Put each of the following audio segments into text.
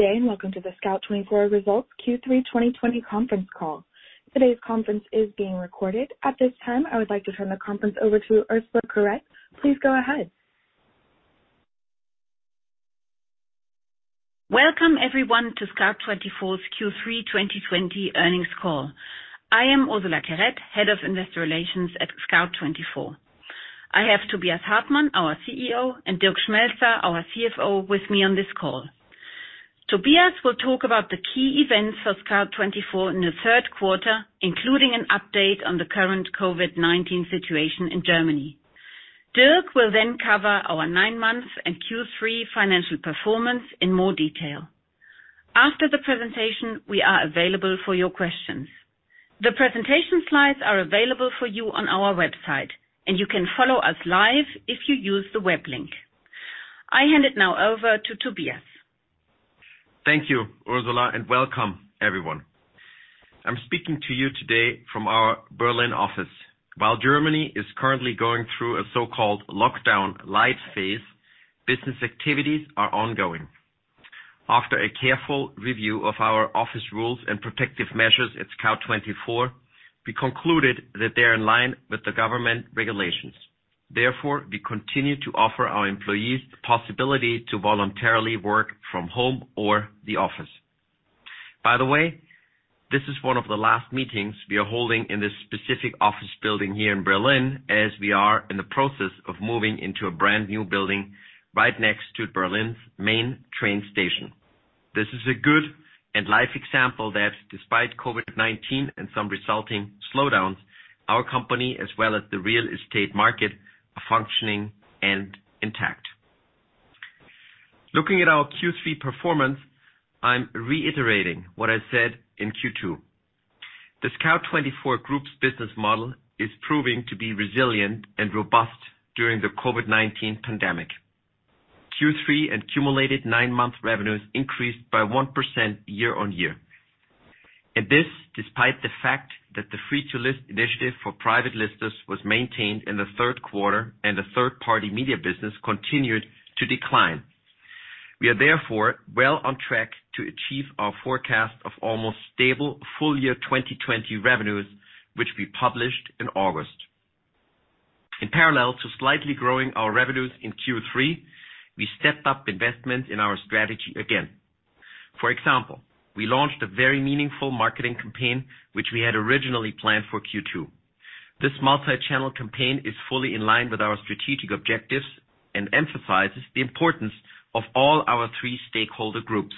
Welcome to the Scout24 Results Q3 2020 conference call. Today's conference is being recorded. At this time, I would like to turn the conference over to Ursula Querette. Please go ahead. Welcome, everyone, to Scout24's Q3 2020 earnings call. I am Ursula Querette, Head of Investor Relations at Scout24. I have Tobias Hartmann, our CEO, and Dirk Schmelzer, our CFO, with me on this call. Tobias will talk about the key events for Scout24 in the third quarter, including an update on the current COVID-19 situation in Germany. Dirk will then cover our nine months and Q3 financial performance in more detail. After the presentation, we are available for your questions. The presentation slides are available for you on our website, and you can follow us live if you use the web link. I hand it now over to Tobias. Thank you, Ursula, and welcome, everyone. I'm speaking to you today from our Berlin office. While Germany is currently going through a so-called Lockdown Light phase, business activities are ongoing. After a careful review of our office rules and protective measures at Scout24, we concluded that they're in line with the government regulations. Therefore, we continue to offer our employees the possibility to voluntarily work from home or the office. By the way, this is one of the last meetings we are holding in this specific office building here in Berlin, as we are in the process of moving into a brand new building right next to Berlin's main train station. This is a good and live example that, despite COVID-19 and some resulting slowdowns, our company, as well as the real estate market, are functioning and intact. Looking at our Q3 performance, I'm reiterating what I said in Q2. The Scout24 Group's business model is proving to be resilient and robust during the COVID-19 pandemic. Q3 and cumulated nine-month revenues increased by 1% year on year, and this, despite the fact that the free-to-list initiative for private listers was maintained in the third quarter and the third-party media business continued to decline. We are, therefore, well on track to achieve our forecast of almost stable full-year 2020 revenues, which we published in August. In parallel to slightly growing our revenues in Q3, we stepped up investment in our strategy again. For example, we launched a very meaningful marketing campaign, which we had originally planned for Q2. This multi-channel campaign is fully in line with our strategic objectives and emphasizes the importance of all our three stakeholder groups.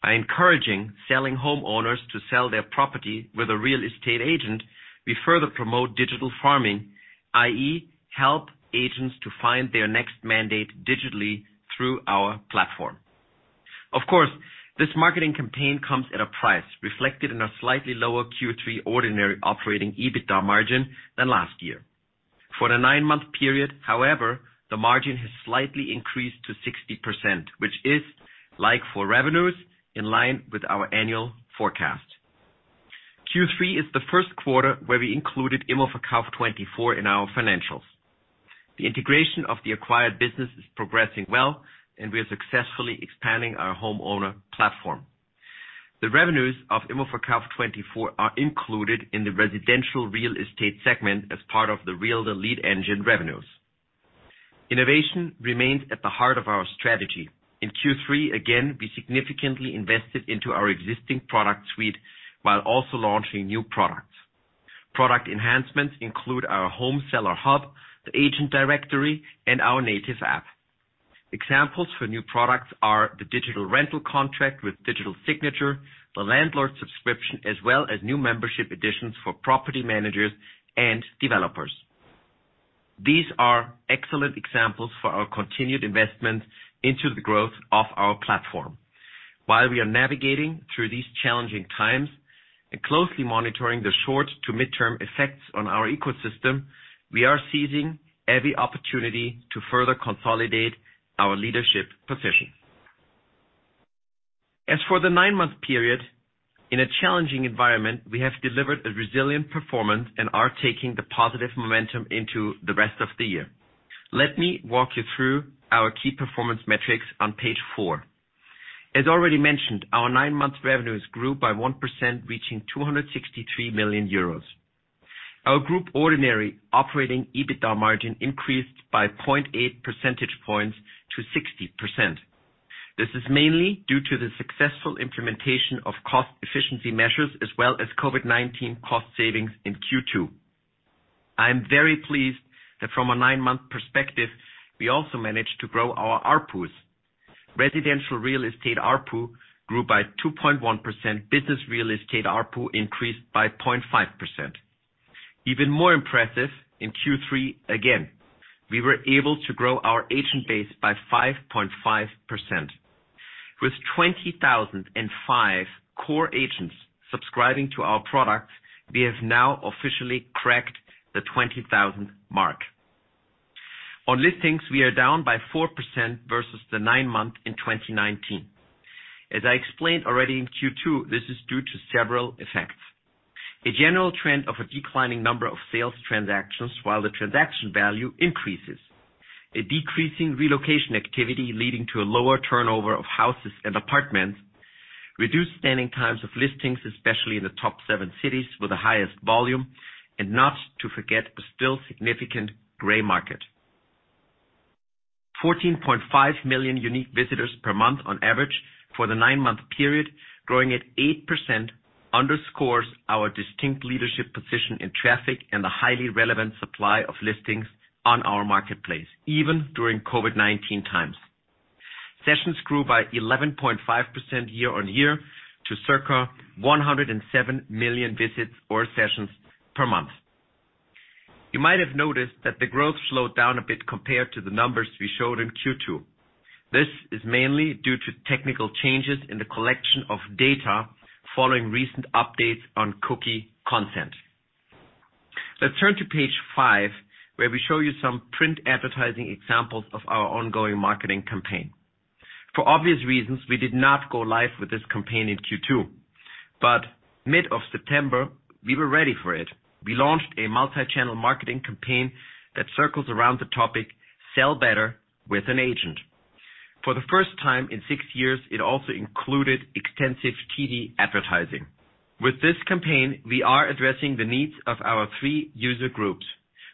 By encouraging selling homeowners to sell their property with a real estate agent, we further promote digital farming, i.e., help agents to find their next mandate digitally through our platform. Of course, this marketing campaign comes at a price reflected in a slightly lower Q3 ordinary operating EBITDA margin than last year. For the nine-month period, however, the margin has slightly increased to 60%, which is, like for revenues, in line with our annual forecast. Q3 is the first quarter where we included ImmoVerkauf24 in our financials. The integration of the acquired business is progressing well, and we are successfully expanding our homeowner platform. The revenues of ImmoVerkauf24 are included in the residential real estate segment as part of the Realtor Lead Engine revenues. Innovation remains at the heart of our strategy. In Q3, again, we significantly invested into our existing product suite while also launching new products. Product enhancements include our home seller hub, the agent directory, and our native app. Examples for new products are the digital rental contract with digital signature, the landlord subscription, as well as new membership additions for property managers and developers. These are excellent examples for our continued investment into the growth of our platform. While we are navigating through these challenging times and closely monitoring the short- to mid-term effects on our ecosystem, we are seizing every opportunity to further consolidate our leadership position. As for the nine-month period, in a challenging environment, we have delivered a resilient performance and are taking the positive momentum into the rest of the year. Let me walk you through our key performance metrics on page four. As already mentioned, our nine-month revenues grew by 1%, reaching 263 million euros. Our group ordinary operating EBITDA margin increased by 0.8 percentage points to 60%. This is mainly due to the successful implementation of cost-efficiency measures, as well as COVID-19 cost savings in Q2. I'm very pleased that from a nine-month perspective, we also managed to grow our ARPUs. Residential real estate ARPU grew by 2.1%, business real estate ARPU increased by 0.5%. Even more impressive, in Q3 again, we were able to grow our agent base by 5.5%. With 20,005 core agents subscribing to our products, we have now officially cracked the 20,000 mark. On listings, we are down by 4% versus the nine-month in 2019. As I explained already in Q2, this is due to several effects. A general trend of a declining number of sales transactions while the transaction value increases. A decreasing relocation activity leading to a lower turnover of houses and apartments, reduced standing times of listings, especially in the top seven cities with the highest volume, and not to forget a still significant gray market. 14.5 million unique visitors per month on average for the nine-month period, growing at 8%, underscores our distinct leadership position in traffic and the highly relevant supply of listings on our marketplace, even during COVID-19 times. Sessions grew by 11.5% year on year to circa 107 million visits or sessions per month. You might have noticed that the growth slowed down a bit compared to the numbers we showed in Q2. This is mainly due to technical changes in the collection of data following recent updates on cookie consent. Let's turn to page five, where we show you some print advertising examples of our ongoing marketing campaign. For obvious reasons, we did not go live with this campaign in Q2. But mid of September, we were ready for it. We launched a multi-channel marketing campaign that circles around the topic "Sell Better with an Agent." For the first time in six years, it also included extensive TV advertising. With this campaign, we are addressing the needs of our three user groups.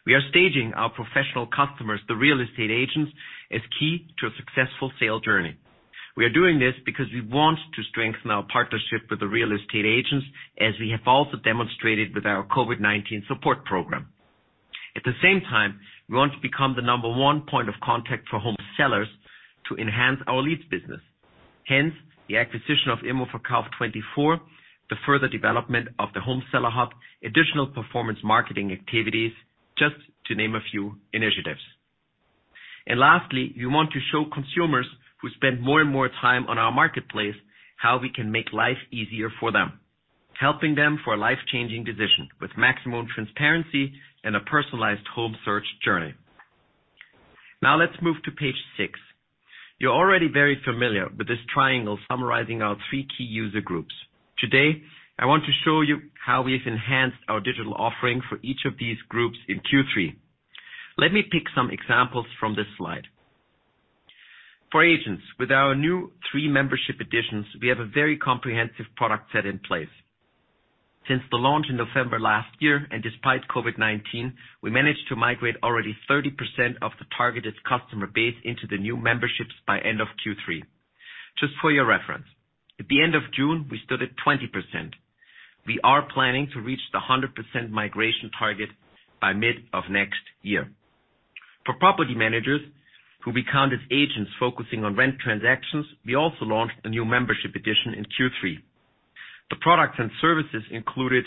We are staging our professional customers, the real estate agents, as key to a successful sales journey. We are doing this because we want to strengthen our partnership with the real estate agents, as we have also demonstrated with our COVID-19 support program. At the same time, we want to become the number one point of contact for home sellers to enhance our leads business. Hence, the acquisition of ImmoVerkauf24, the further development of the home seller hub, additional performance marketing activities, just to name a few initiatives. And lastly, we want to show consumers who spend more and more time on our marketplace how we can make life easier for them, helping them for a life-changing decision with maximum transparency and a personalized home search journey. Now let's move to page six. You're already very familiar with this triangle summarizing our three key user groups. Today, I want to show you how we've enhanced our digital offering for each of these groups in Q3. Let me pick some examples from this slide. For agents, with our new three membership additions, we have a very comprehensive product set in place. Since the launch in November last year and despite COVID-19, we managed to migrate already 30% of the targeted customer base into the new memberships by end of Q3. Just for your reference, at the end of June, we stood at 20%. We are planning to reach the 100% migration target by mid of next year. For property managers, who we count as agents focusing on rent transactions, we also launched a new membership addition in Q3. The products and services included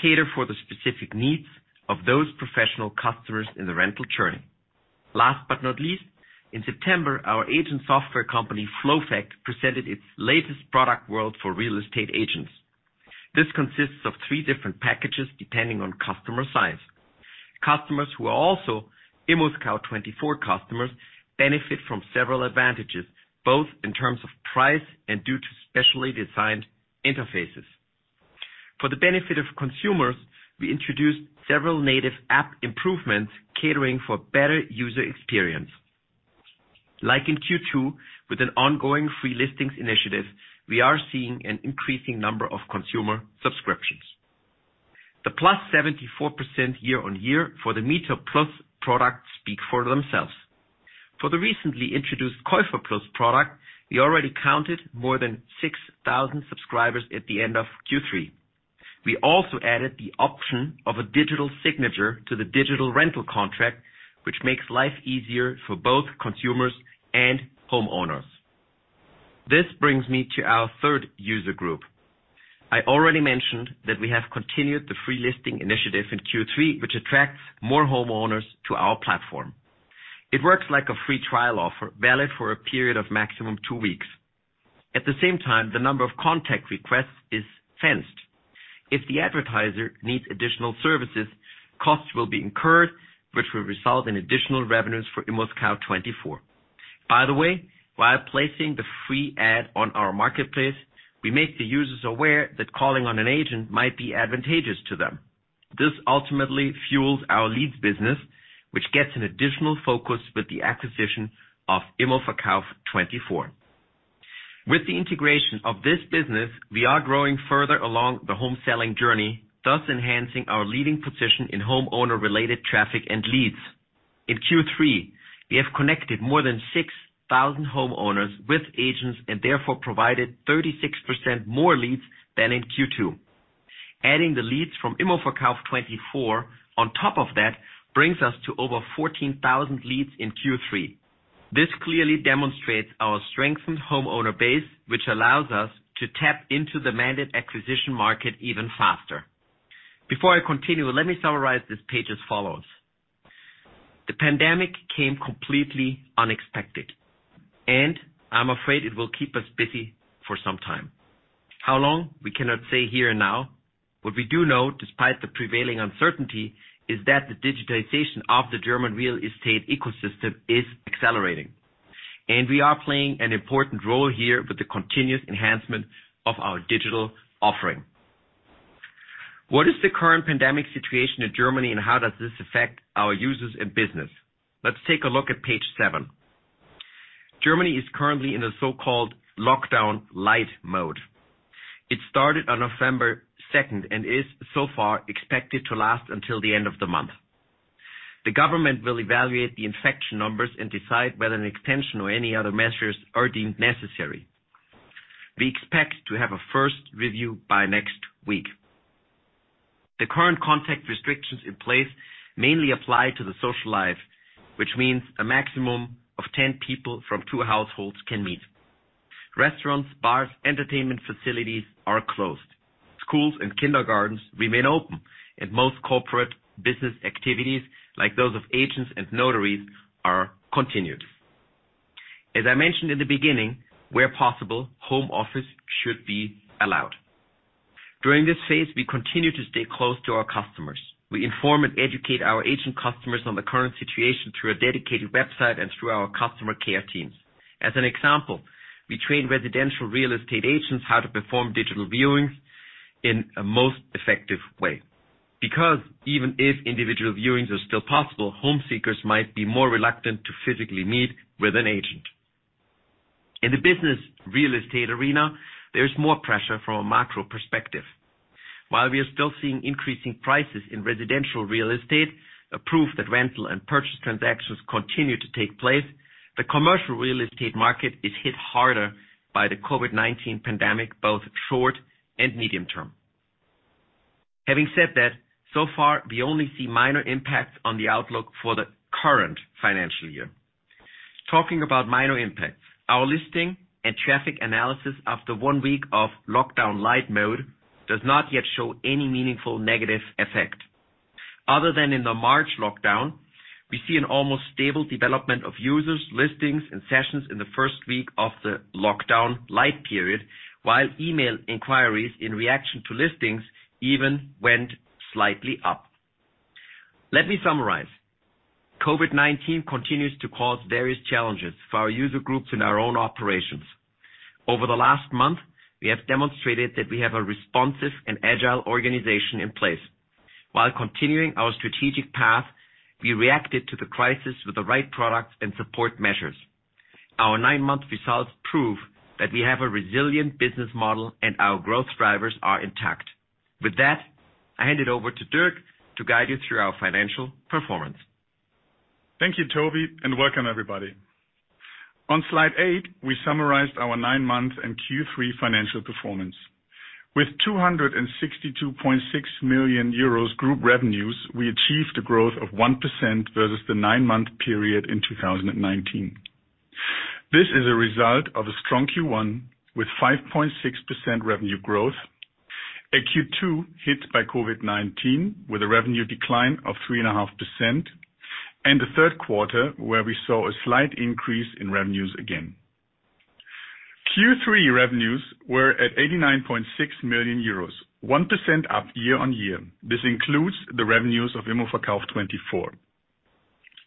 cater for the specific needs of those professional customers in the rental journey. Last but not least, in September, our agent software company, Flowfact, presented its latest product world for real estate agents. This consists of three different packages depending on customer size. Customers who are also ImmoScout24 customers benefit from several advantages, both in terms of price and due to specially designed interfaces. For the benefit of consumers, we introduced several native app improvements catering for better user experience. Like in Q2, with an ongoing free listings initiative, we are seeing an increasing number of consumer subscriptions. The +74% year-on-year for the MieterPlus product speak for themselves. For the recently introduced KäuferPlus product, we already counted more than 6,000 subscribers at the end of Q3. We also added the option of a digital signature to the digital rental contract, which makes life easier for both consumers and homeowners. This brings me to our third user group. I already mentioned that we have continued the free listing initiative in Q3, which attracts more homeowners to our platform. It works like a free trial offer valid for a period of maximum two weeks. At the same time, the number of contact requests is intense. If the advertiser needs additional services, costs will be incurred, which will result in additional revenues for ImmoScout24. By the way, while placing the free ad on our marketplace, we make the users aware that calling on an agent might be advantageous to them. This ultimately fuels our leads business, which gets an additional focus with the acquisition of ImmoVerkauf24. With the integration of this business, we are growing further along the home selling journey, thus enhancing our leading position in homeowner-related traffic and leads. In Q3, we have connected more than 6,000 homeowners with agents and therefore provided 36% more leads than in Q2. Adding the leads from ImmoVerkauf24 on top of that brings us to over 14,000 leads in Q3. This clearly demonstrates our strengthened homeowner base, which allows us to tap into the mandate acquisition market even faster. Before I continue, let me summarize this page as follows. The pandemic came completely unexpected, and I'm afraid it will keep us busy for some time. How long, we cannot say here and now. What we do know, despite the prevailing uncertainty, is that the digitization of the German real estate ecosystem is accelerating. And we are playing an important role here with the continuous enhancement of our digital offering. What is the current pandemic situation in Germany, and how does this affect our users and business? Let's take a look at page seven. Germany is currently in a so-called Lockdown Light mode. It started on November 2nd and is so far expected to last until the end of the month. The government will evaluate the infection numbers and decide whether an extension or any other measures are deemed necessary. We expect to have a first review by next week. The current contact restrictions in place mainly apply to the social life, which means a maximum of 10 people from two households can meet. Restaurants, bars, entertainment facilities are closed. Schools and kindergartens remain open, and most corporate business activities, like those of agents and notaries, are continued. As I mentioned in the beginning, where possible, home office should be allowed. During this phase, we continue to stay close to our customers. We inform and educate our agent customers on the current situation through a dedicated website and through our customer care teams. As an example, we train residential real estate agents how to perform digital viewings in a most effective way. Because even if individual viewings are still possible, home seekers might be more reluctant to physically meet with an agent. In the business real estate arena, there is more pressure from a macro perspective. While we are still seeing increasing prices in residential real estate, a proof that rental and purchase transactions continue to take place, the commercial real estate market is hit harder by the COVID-19 pandemic, both short and medium term. Having said that, so far, we only see minor impacts on the outlook for the current financial year. Talking about minor impacts, our listing and traffic analysis after one week of Lockdown Light mode does not yet show any meaningful negative effect. Other than in the March lockdown, we see an almost stable development of users, listings, and sessions in the first week of the Lockdown Light period, while email inquiries in reaction to listings even went slightly up. Let me summarize. COVID-19 continues to cause various challenges for our user groups and our own operations. Over the last month, we have demonstrated that we have a responsive and agile organization in place. While continuing our strategic path, we reacted to the crisis with the right products and support measures. Our nine-month results prove that we have a resilient business model and our growth drivers are intact. With that, I hand it over to Dirk to guide you through our financial performance. Thank you, Tobi, and welcome, everybody. On slide eight, we summarized our nine-month and Q3 financial performance. With 262.6 million euros group revenues, we achieved a growth of 1% versus the nine-month period in 2019. This is a result of a strong Q1 with 5.6% revenue growth, a Q2 hit by COVID-19 with a revenue decline of 3.5%, and a third quarter where we saw a slight increase in revenues again. Q3 revenues were at 89.6 million euros, 1% up year on year. This includes the revenues of ImmoVerkauf24.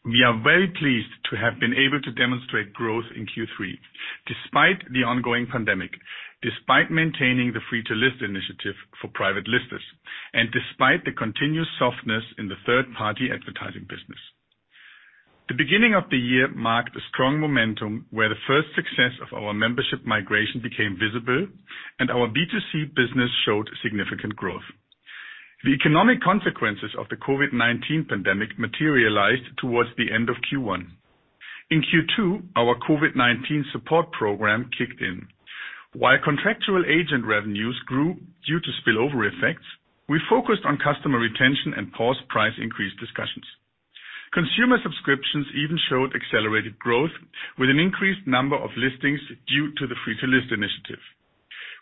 We are very pleased to have been able to demonstrate growth in Q3 despite the ongoing pandemic, despite maintaining the free-to-list initiative for private listers, and despite the continued softness in the third-party advertising business. The beginning of the year marked a strong momentum where the first success of our membership migration became visible, and our B2C business showed significant growth. The economic consequences of the COVID-19 pandemic materialized towards the end of Q1. In Q2, our COVID-19 support program kicked in. While contractual agent revenues grew due to spillover effects, we focused on customer retention and paused price increase discussions. Consumer subscriptions even showed accelerated growth with an increased number of listings due to the free-to-list initiative.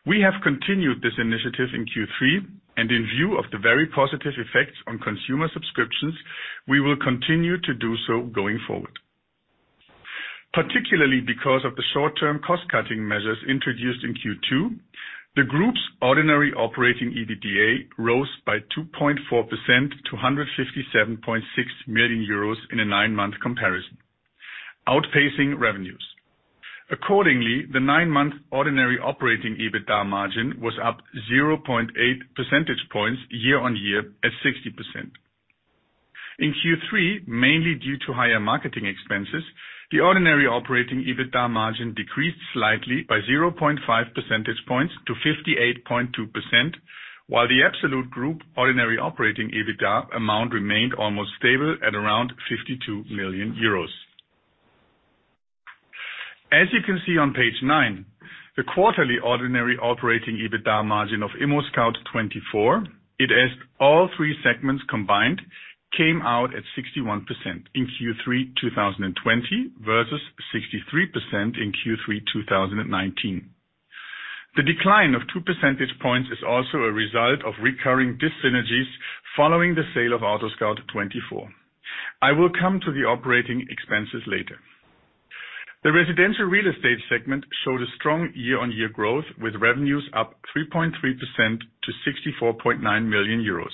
We have continued this initiative in Q3, and in view of the very positive effects on consumer subscriptions, we will continue to do so going forward. Particularly because of the short-term cost-cutting measures introduced in Q2, the group's ordinary operating EBITDA rose by 2.4% to 157.6 million euros in a nine-month comparison, outpacing revenues. Accordingly, the nine-month ordinary operating EBITDA margin was up 0.8 percentage points year on year at 60%. In Q3, mainly due to higher marketing expenses, the ordinary operating EBITDA margin decreased slightly by 0.5 percentage points to 58.2%, while the absolute group ordinary operating EBITDA amount remained almost stable at around 52 million euros. As you can see on page nine, the quarterly ordinary operating EBITDA margin of ImmoScout24, it is all three segments combined, came out at 61% in Q3 2020 versus 63% in Q3 2019. The decline of 2 percentage points is also a result of recurring dyssynergies following the sale of AutoScout24. I will come to the operating expenses later. The residential real estate segment showed a strong year-on-year growth with revenues up 3.3% to 64.9 million euros.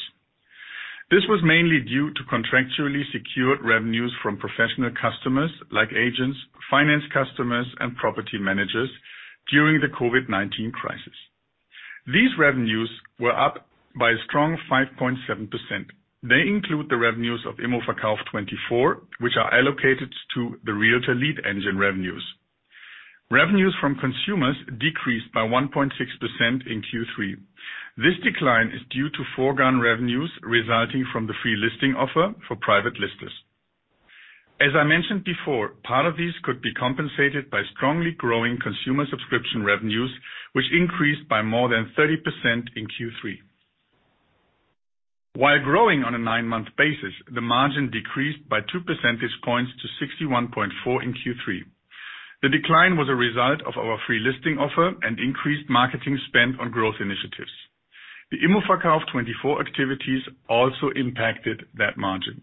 This was mainly due to contractually secured revenues from professional customers like agents, finance customers, and property managers during the COVID-19 crisis. These revenues were up by a strong 5.7%. They include the revenues of ImmoVerkauf24, which are allocated to the realtor lead engine revenues. Revenues from consumers decreased by 1.6% in Q3. This decline is due to foregone revenues resulting from the free listing offer for private listers. As I mentioned before, part of these could be compensated by strongly growing consumer subscription revenues, which increased by more than 30% in Q3. While growing on a nine-month basis, the margin decreased by 2 percentage points to 61.4% in Q3. The decline was a result of our free listing offer and increased marketing spend on growth initiatives. The ImmoVerkauf24 activities also impacted that margin.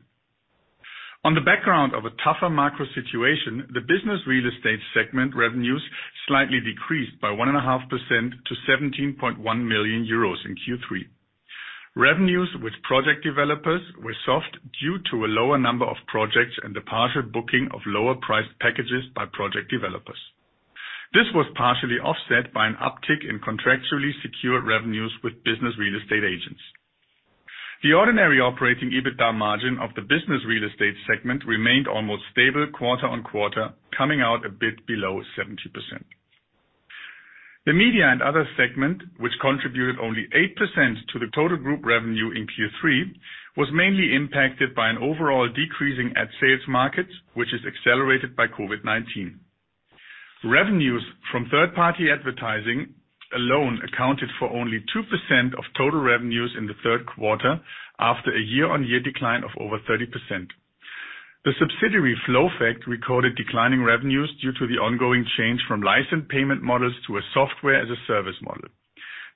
On the background of a tougher macro situation, the business real estate segment revenues slightly decreased by 1.5% to 17.1 million euros in Q3. Revenues with project developers were soft due to a lower number of projects and the partial booking of lower-priced packages by project developers. This was partially offset by an uptick in contractually secured revenues with business real estate agents. The ordinary operating EBITDA margin of the business real estate segment remained almost stable quarter on quarter, coming out a bit below 70%. The media and other segment, which contributed only 8% to the total group revenue in Q3, was mainly impacted by an overall decreasing ad sales markets, which is accelerated by COVID-19. Revenues from third-party advertising alone accounted for only 2% of total revenues in the third quarter after a year-on-year decline of over 30%. The subsidiary Flowfact recorded declining revenues due to the ongoing change from license payment models to a software-as-a-service model.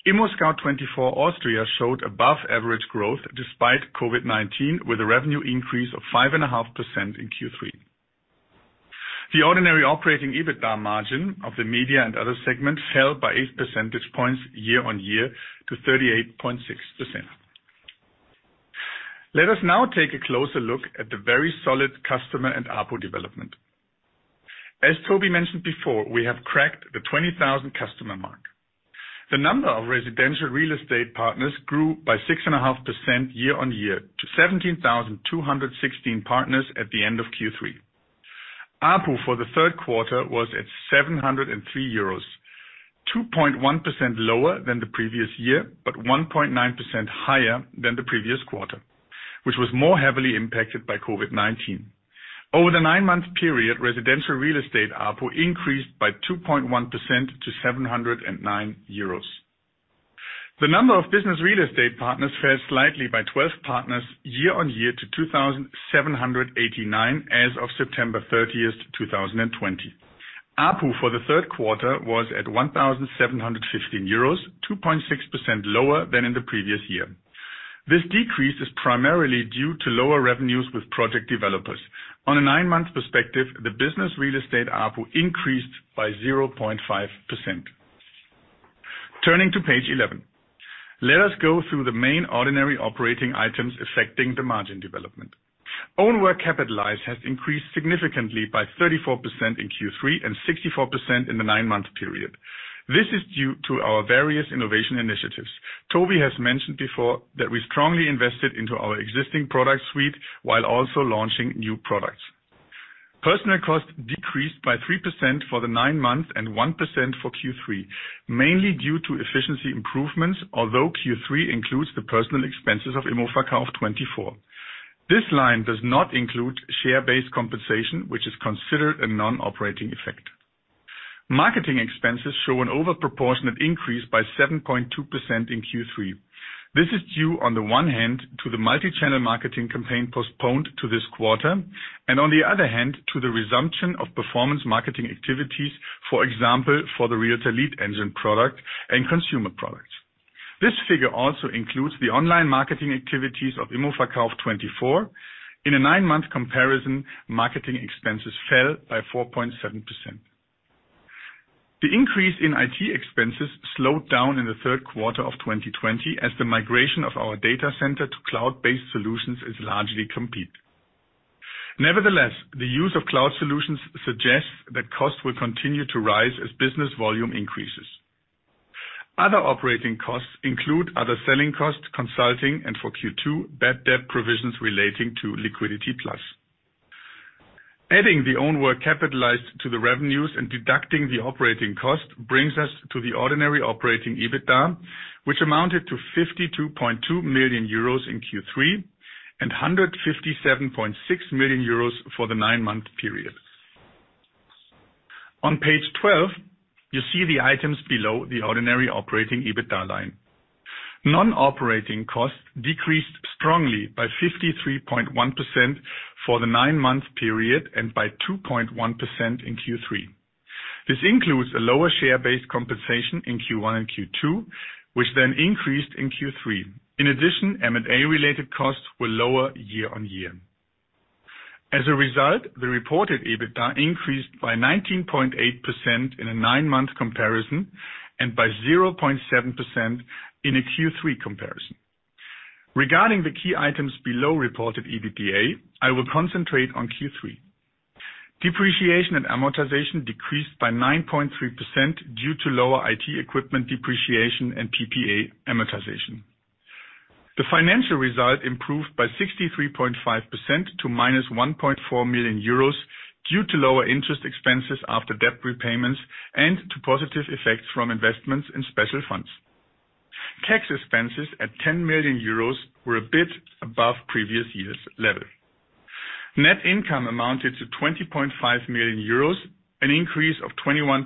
ImmoScout24 Austria showed above-average growth despite COVID-19, with a revenue increase of 5.5% in Q3. The ordinary operating EBITDA margin of the media and other segment fell by 8 percentage points year-on-year to 38.6%. Let us now take a closer look at the very solid customer and ARPU development. As Tobi mentioned before, we have cracked the 20,000 customer mark. The number of residential real estate partners grew by 6.5% year-on-year to 17,216 partners at the end of Q3. ARPU for the third quarter was at 703 euros, 2.1% lower than the previous year, but 1.9% higher than the previous quarter, which was more heavily impacted by COVID-19. Over the nine-month period, residential real estate ARPU increased by 2.1% to 709 euros. The number of business real estate partners fell slightly by 12 partners year-on-year to 2,789 as of September 30th, 2020. ARPU for the third quarter was at 1,715 euros, 2.6% lower than in the previous year. This decrease is primarily due to lower revenues with project developers. On a nine-month perspective, the business real estate ARPU increased by 0.5%. Turning to page 11, let us go through the main ordinary operating items affecting the margin development. Own work capitalized has increased significantly by 34% in Q3 and 64% in the nine-month period. This is due to our various innovation initiatives. Tobi has mentioned before that we strongly invested into our existing product suite while also launching new products. Personnel cost decreased by 3% for the nine months and 1% for Q3, mainly due to efficiency improvements, although Q3 includes the personnel expenses of ImmoVerkauf24. This line does not include share-based compensation, which is considered a non-operating effect. Marketing expenses show an overproportionate increase by 7.2% in Q3. This is due, on the one hand, to the multi-channel marketing campaign postponed to this quarter, and on the other hand, to the resumption of performance marketing activities, for example, for the Realtor Lead Engine product and consumer products. This figure also includes the online marketing activities of ImmoVerkauf24. In a nine-month comparison, marketing expenses fell by 4.7%. The increase in IT expenses slowed down in the third quarter of 2020 as the migration of our data center to cloud-based solutions is largely complete. Nevertheless, the use of cloud solutions suggests that costs will continue to rise as business volume increases. Other operating costs include other selling costs, consulting, and for Q2, bad debt provisions relating to Liquidity+. Adding the own work capitalized to the revenues and deducting the operating cost brings us to the ordinary operating EBITDA, which amounted to 52.2 million euros in Q3 and 157.6 million euros for the nine-month period. On page 12, you see the items below the ordinary operating EBITDA line. Non-operating costs decreased strongly by 53.1% for the nine-month period and by 2.1% in Q3. This includes a lower share-based compensation in Q1 and Q2, which then increased in Q3. In addition, M&A-related costs were lower year-on-year. As a result, the reported EBITDA increased by 19.8% in a nine-month comparison and by 0.7% in a Q3 comparison. Regarding the key items below reported EBITDA, I will concentrate on Q3. Depreciation and amortization decreased by 9.3% due to lower IT equipment depreciation and PPA amortization. The financial result improved by 63.5% to -1.4 million euros due to lower interest expenses after debt repayments and to positive effects from investments in special funds. Tax expenses at 10 million euros were a bit above previous year's level. Net income amounted to 20.5 million euros, an increase of 21.3%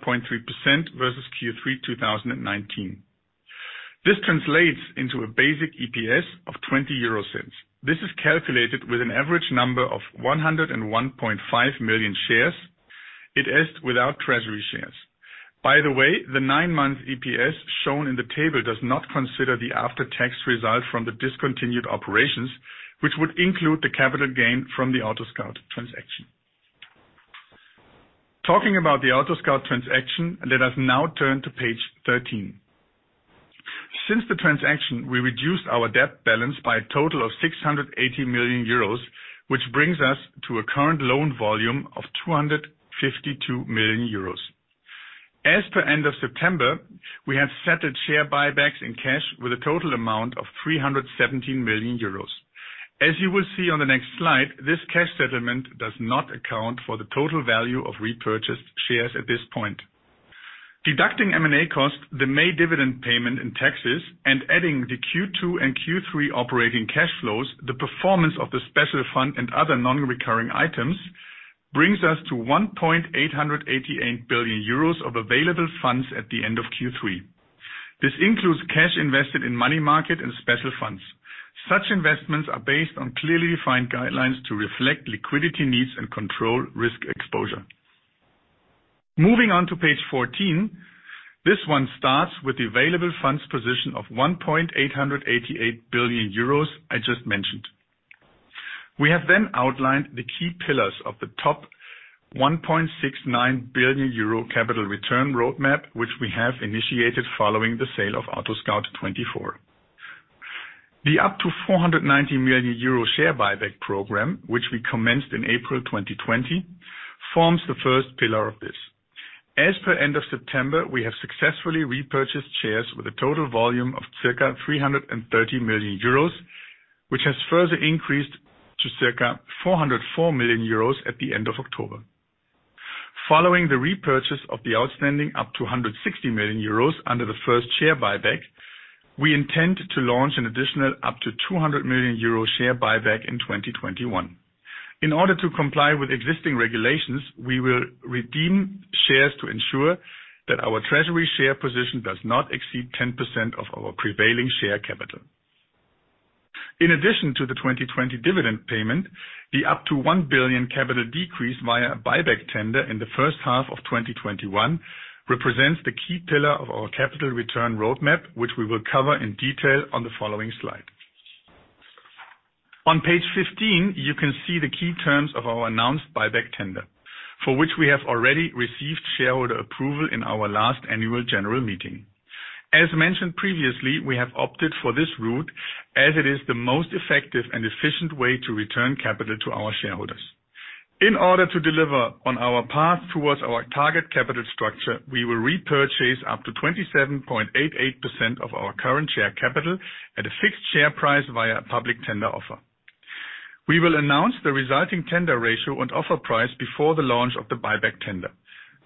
versus Q3 2019. This translates into a basic EPS of 0.20. This is calculated with an average number of 101.5 million shares. It is without treasury shares. By the way, the nine-month EPS shown in the table does not consider the after-tax result from the discontinued operations, which would include the capital gain from the AutoScout24 transaction. Talking about the AutoScout24 transaction, let us now turn to page 13. Since the transaction, we reduced our debt balance by a total of 680 million euros, which brings us to a current loan volume of 252 million euros. As of the end of September, we had settled share buybacks in cash with a total amount of 317 million euros. As you will see on the next slide, this cash settlement does not account for the total value of repurchased shares at this point. Deducting M&A costs, the May dividend payment and taxes, and adding the Q2 and Q3 operating cash flows, the performance of the special fund and other non-recurring items brings us to 1.888 billion euros of available funds at the end of Q3. This includes cash invested in money market and special funds. Such investments are based on clearly defined guidelines to reflect liquidity needs and control risk exposure. Moving on to page 14, this one starts with the available funds position of 1.888 billion euros I just mentioned. We have then outlined the key pillars of the 1.69 billion euro capital return roadmap, which we have initiated following the sale of AutoScout24. The up to 490 million euro share buyback program, which we commenced in April 2020, forms the first pillar of this. As per end of September, we have successfully repurchased shares with a total volume of circa 330 million euros, which has further increased to circa 404 million euros at the end of October. Following the repurchase of the outstanding up to 160 million euros under the first share buyback, we intend to launch an additional up to 200 million euro share buyback in 2021. In order to comply with existing regulations, we will redeem shares to ensure that our treasury share position does not exceed 10% of our prevailing share capital. In addition to the 2020 dividend payment, the up to 1 billion capital decrease via a buyback tender in the first half of 2021 represents the key pillar of our capital return roadmap, which we will cover in detail on the following slide. On page 15, you can see the key terms of our announced buyback tender, for which we have already received shareholder approval in our last annual general meeting. As mentioned previously, we have opted for this route as it is the most effective and efficient way to return capital to our shareholders. In order to deliver on our path towards our target capital structure, we will repurchase up to 27.88% of our current share capital at a fixed share price via a public tender offer. We will announce the resulting tender ratio and offer price before the launch of the buyback tender.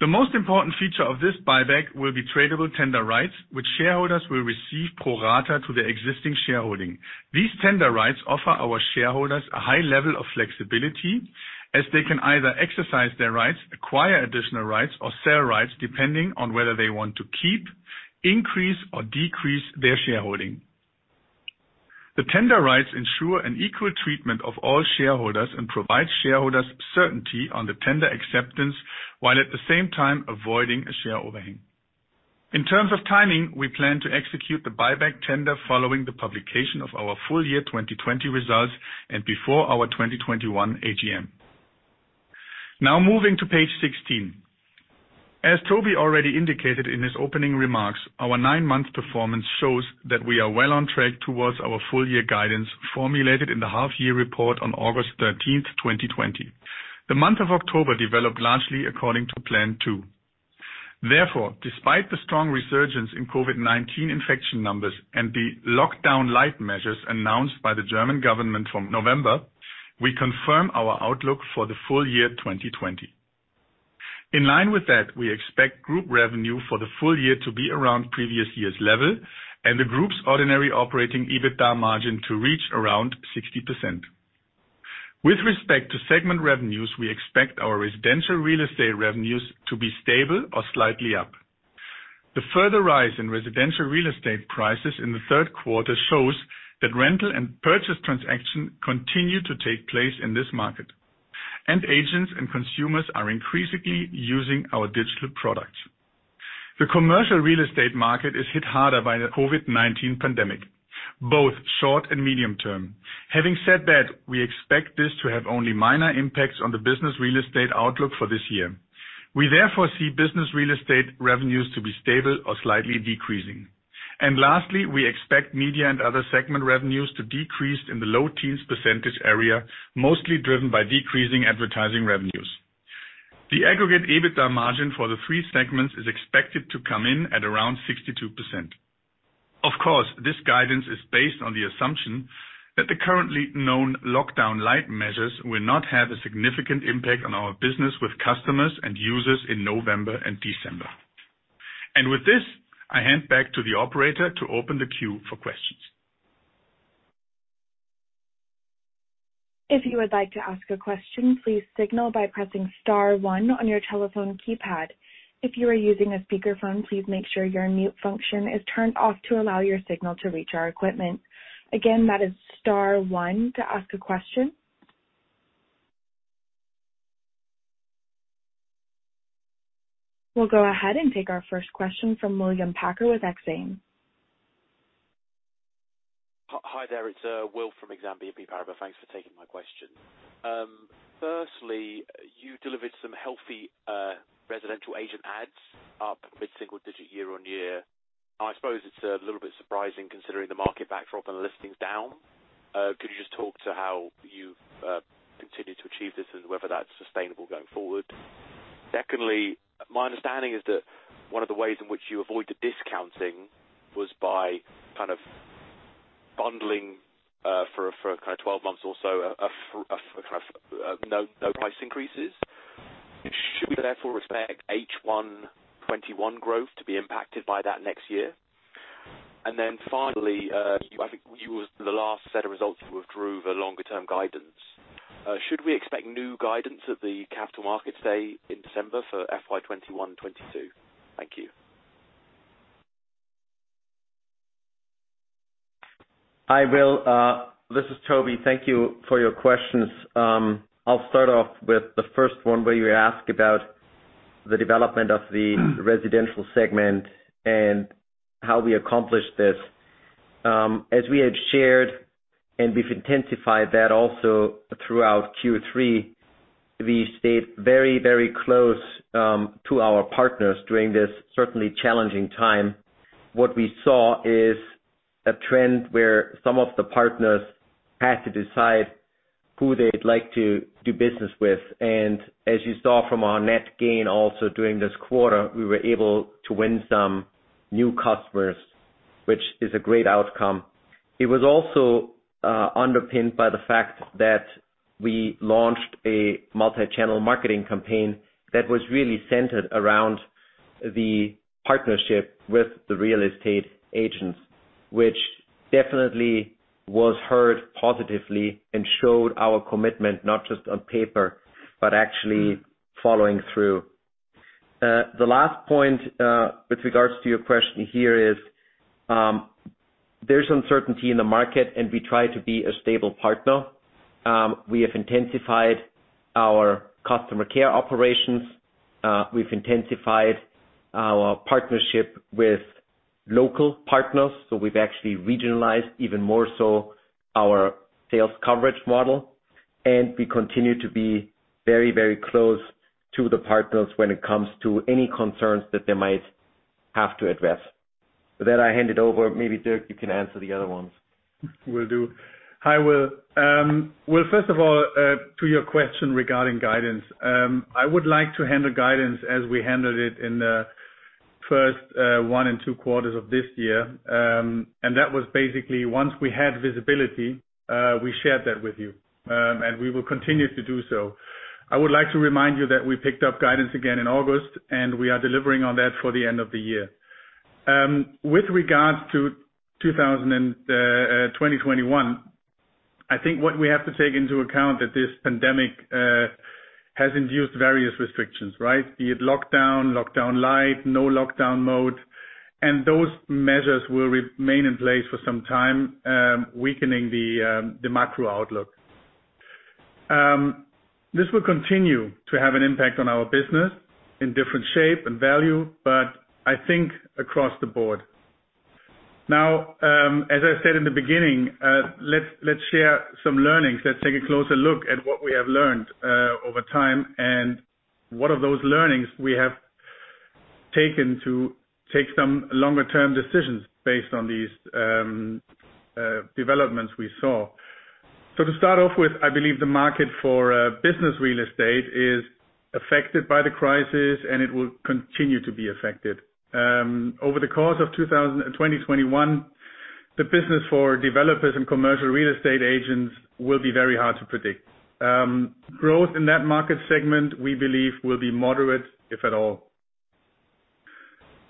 The most important feature of this buyback will be tradable tender rights, which shareholders will receive pro rata to their existing shareholding. These tender rights offer our shareholders a high level of flexibility, as they can either exercise their rights, acquire additional rights, or sell rights depending on whether they want to keep, increase, or decrease their shareholding. The tender rights ensure an equal treatment of all shareholders and provide shareholders certainty on the tender acceptance while at the same time avoiding a share overhang. In terms of timing, we plan to execute the buyback tender following the publication of our full year 2020 results and before our 2021 AGM. Now moving to page 16. As Tobi already indicated in his opening remarks, our nine-month performance shows that we are well on track towards our full year guidance formulated in the half-year report on August 13th, 2020. The month of October developed largely according to plan too. Therefore, despite the strong resurgence in COVID-19 infection numbers and the lockdown-like measures announced by the German government from November, we confirm our outlook for the full year 2020. In line with that, we expect group revenue for the full year to be around previous year's level and the group's ordinary operating EBITDA margin to reach around 60%. With respect to segment revenues, we expect our residential real estate revenues to be stable or slightly up. The further rise in residential real estate prices in the third quarter shows that rental and purchase transactions continue to take place in this market, and agents and consumers are increasingly using our digital products. The commercial real estate market is hit harder by the COVID-19 pandemic, both short and medium term. Having said that, we expect this to have only minor impacts on the business real estate outlook for this year. We therefore see business real estate revenues to be stable or slightly decreasing. And lastly, we expect media and other segment revenues to decrease in the low teens % area, mostly driven by decreasing advertising revenues. The aggregate EBITDA margin for the three segments is expected to come in at around 62%. Of course, this guidance is based on the assumption that the currently known lockdown-like measures will not have a significant impact on our business with customers and users in November and December. And with this, I hand back to the operator to open the queue for questions. If you would like to ask a question, please signal by pressing star one on your telephone keypad. If you are using a speakerphone, please make sure your mute function is turned off to allow your signal to reach our equipment. Again, that is star one to ask a question. We'll go ahead and take our first question from William Packer with Exane BNP Paribas. Hi there, it's Will from Exane BNP Paribas. Thanks for taking my question. Firstly, you delivered some healthy residential agent ads up mid-single digit year on year. I suppose it's a little bit surprising considering the market backdrop and the listings down. Could you just talk to how you've continued to achieve this and whether that's sustainable going forward? Secondly, my understanding is that one of the ways in which you avoided discounting was by kind of bundling for kind of 12 months or so of kind of no-price increases. Should we therefore expect H121 growth to be impacted by that next year? And then finally, I think you were the last set of results you withdrew the longer-term guidance. Should we expect new guidance at the Capital Markets Day in December for FY 2021-2022? Thank you. Hi Will, this is Tobi. Thank you for your questions. I'll start off with the first one where you ask about the development of the residential segment and how we accomplished this. As we had shared and we've intensified that also throughout Q3, we stayed very, very close to our partners during this certainly challenging time. What we saw is a trend where some of the partners had to decide who they'd like to do business with. And as you saw from our net gain also during this quarter, we were able to win some new customers, which is a great outcome. It was also underpinned by the fact that we launched a multi-channel marketing campaign that was really centered around the partnership with the real estate agents, which definitely was heard positively and showed our commitment not just on paper, but actually following through. The last point with regards to your question here is there's uncertainty in the market, and we try to be a stable partner. We have intensified our customer care operations. We've intensified our partnership with local partners. So we've actually regionalized even more so our sales coverage model. And we continue to be very, very close to the partners when it comes to any concerns that they might have to address. With that, I hand it over. Maybe Dirk, you can answer the other ones. Will do. Hi Will. First of all, to your question regarding guidance, I would like to handle guidance as we handled it in the first one and two quarters of this year. That was basically once we had visibility, we shared that with you, and we will continue to do so. I would like to remind you that we picked up guidance again in August, and we are delivering on that for the end of the year. With regards to 2021, I think what we have to take into account is that this pandemic has induced various restrictions, right? Be it lockdown, lockdown-like, no lockdown mode. Those measures will remain in place for some time, weakening the macro outlook. This will continue to have an impact on our business in different shape and value, but I think across the board. Now, as I said in the beginning, let's share some learnings. Let's take a closer look at what we have learned over time and what of those learnings we have taken to take some longer-term decisions based on these developments we saw. So to start off with, I believe the market for business real estate is affected by the crisis, and it will continue to be affected. Over the course of 2021, the business for developers and commercial real estate agents will be very hard to predict. Growth in that market segment, we believe, will be moderate, if at all.